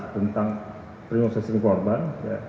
tentang perlindungan seseorang korban